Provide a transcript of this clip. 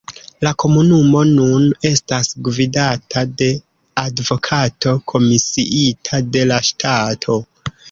La komunumo nun estas gvidata de advokato komisiita de la ŝtato.